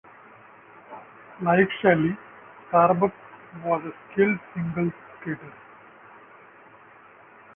Like Shelley, Starbuck was a skilled singles skater.